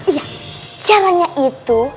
iya caranya itu